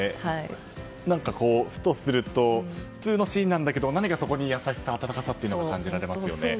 ふとすると普通のシーンなんだけど何かそこに優しさ、温かさを感じられますよね。